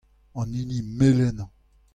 An hini melenañ.